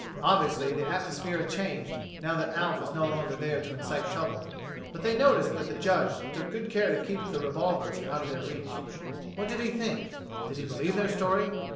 Obviously, the atmosphere had changed, now that Alf was no longer there to incite trouble, but they noticed that the Judge took good care to keep the revolvers out of their reach. What did he think? Did he believe their story?